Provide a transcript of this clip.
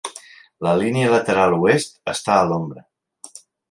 La línia lateral oest està a la ombra.